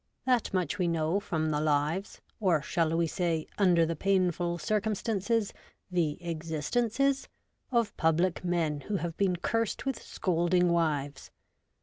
That much we know from the lives — or shall we say, under the painful circum stances, the ' existences ?'— of public men who have been cursed with scolding wives.